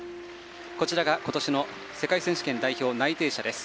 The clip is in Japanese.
こちらが今年の世界選手権代表内定者です。